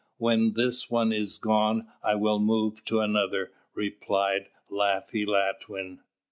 When this one is gone, I will move to another," replied Laffy Latwin.